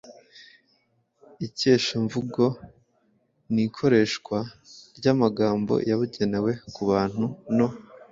Ikeshamvugo ni ikoreshwa ry’amagambo yabugenewe ku bantu no